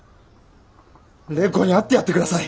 蓮子に会ってやって下さい！